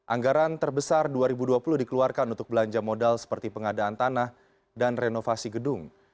anggaran terbesar dua ribu dua puluh dikeluarkan untuk belanja modal seperti pengadaan tanah dan renovasi gedung